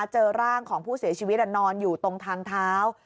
เจอร่างของผู้เสียชีวิตนอนอยู่ตรงทางเท้า